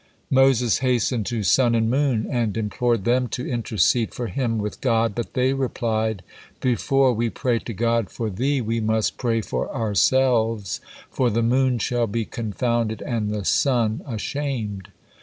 '" Moses hastened to Sun and Moon, and implored them to intercede for him with God, but they replied: "Before we pray to God for thee, we must pray for ourselves, for 'the moon shall be confounded, and the sun ashamed.'"